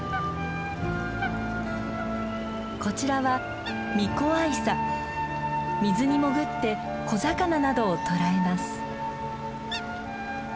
こちらは水に潜って小魚などを捕らえます。